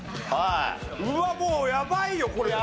うわもうやばいよこれ！